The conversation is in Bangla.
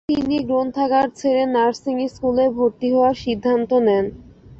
তিনি গ্রন্থাগার ছেড়ে নার্সিং স্কুলে ভর্তি হওয়ার সিদ্ধান্ত নেন।